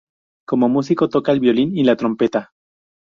Como músico, toca el violín y la trompeta.